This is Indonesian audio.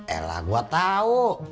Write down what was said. elah gua tau